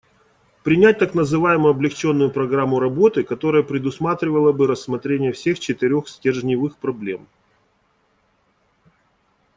Принять так называемую облегченную программу работы, которая предусматривала бы рассмотрение всех четырех стержневых проблем.